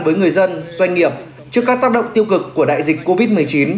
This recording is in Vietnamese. với người dân doanh nghiệp trước các tác động tiêu cực của đại dịch covid một mươi chín